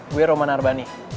gue roman arbani